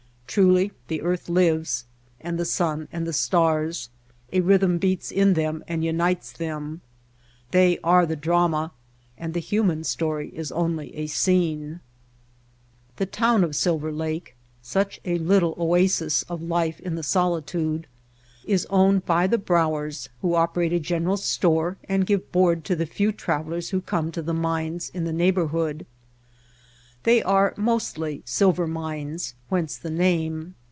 Truly the earth lives, and the sun and the stars, a rhythm beats in them and unites them. They are the drama and the human story is only a scene. The town of Silver Lake, such a little oasis of life in the solitude, is owned by the Brauers who operate a general store and give board to the few travelers who come to the mines in the neighborhood. They are mostly silver mines, whence the name.